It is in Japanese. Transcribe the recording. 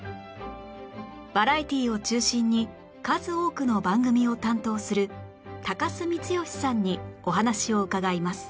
バラエティーを中心に数多くの番組を担当する高須光聖さんにお話を伺います